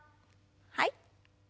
はい。